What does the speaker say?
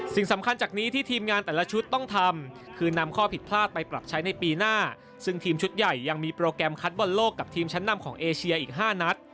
สิ่งสำคัญจากนี้ที่ทีมงานแต่ละชุดต้องทำคือนำข้อผิดพลาดไปปรับใช้ในปีหน้าซึ่งทีมชุดใหญ่ยังมีโปรแกรมคัดบอลโลกกับทีมชั้นนำของเอเชียอีก๕นัด